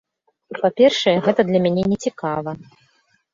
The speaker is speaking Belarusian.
Па-першае, гэта для мяне нецікава.